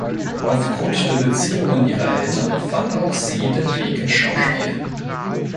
Aufgrund der Beziehungen ihrer Eltern fand auch sie den Weg ins Schauspiel.